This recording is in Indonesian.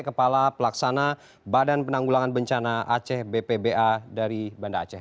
kepala pelaksana badan penanggulangan bencana aceh bpba dari banda aceh